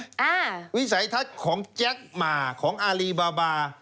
วิสัยทัศน์ของแจ็คหมาของอารีบาบาบา